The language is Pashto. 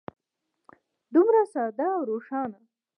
دومره ساده او روښانه.